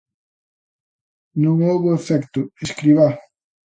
Non houbo efecto Escribá.